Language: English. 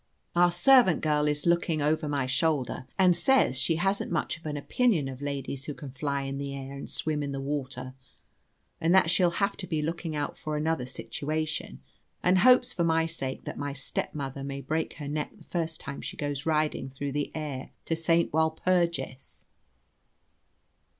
Our servant girl is looking over my shoulder, and says she hasn't much of an opinion of ladies who can fly in the air and swim in the water, and that she'll have to be looking out for another situation, and hopes, for my sake, that my stepmother may break her neck the first time she goes riding through the air to St. Walpurgis.